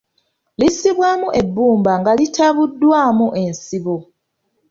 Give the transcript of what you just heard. Lissibwamu ebbumba nga litabuddwamu ensibo .